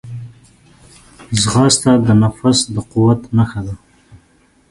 ځغاسته د نفس د قوت نښه ده